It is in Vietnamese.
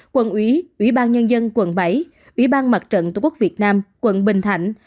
quận ủy ủy ban nhân dân quận bảy ủy ban mặt trận tq việt nam quận bình thạnh